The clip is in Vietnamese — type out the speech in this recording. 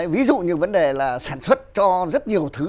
ví dụ như vấn đề là sản xuất cho rất nhiều thứ